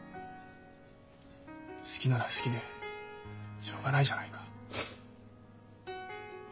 好きなら好きでしょうがないじゃないか。